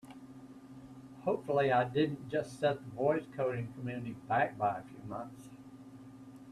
Hopefully I didn't just set the voice coding community back by a few months!